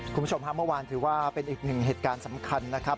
คุณผู้ชมฮะเมื่อวานถือว่าเป็นอีกหนึ่งเหตุการณ์สำคัญนะครับ